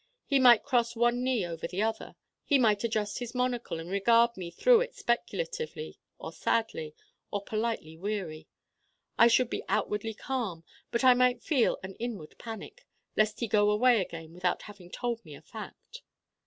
He might cross one knee over the other. He might adjust his monocle and regard me through it speculatively or sadly or politely wearily. I should be outwardly calm but I might feel an inward panic: lest he go away again without having told me a fact.